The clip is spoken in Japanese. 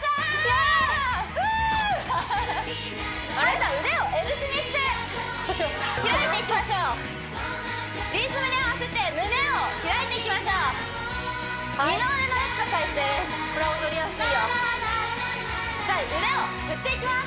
じゃあ腕をＬ字にして開いていきましょうリズムに合わせて胸を開いていきましょう二の腕のエクササイズですじゃあ腕を振っていきます